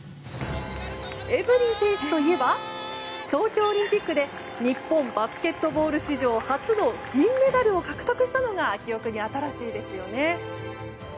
エブリン選手といえば東京オリンピックで日本バスケットボール史上初の銀メダルを獲得したのが記憶に新しいですよね。